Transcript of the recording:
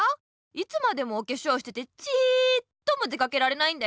いつまでもおけしょうしててちっとも出かけられないんだよ。